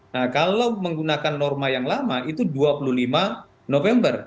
nah kalau menggunakan norma yang lama itu dua puluh lima november